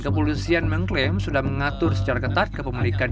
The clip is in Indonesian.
kepolisian mengklaim sudah mengatur secara ketat kepemilikan